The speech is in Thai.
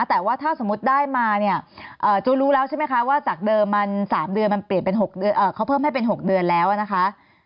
แต่ว่าถ้าสมมุติได้มาเนี่ยจู้รู้แล้วใช่ไหมคะว่าจากเดิมมัน๓เดือนมันเปลี่ยนเป็นเขาเพิ่มให้เป็น๖เดือนแล้วนะคะ